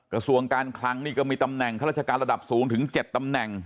กระทรวงการคลังนี่ก็มีตำแหน่งข้าราชการระดับสูงถึง๗ตำแหน่ง